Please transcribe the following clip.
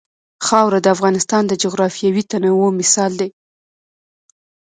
خاوره د افغانستان د جغرافیوي تنوع مثال دی.